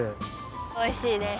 おいしいです。